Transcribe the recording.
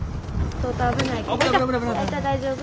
大丈夫。